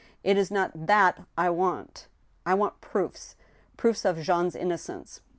It is not that I want ; I want proofs — proofs of Jean's innocence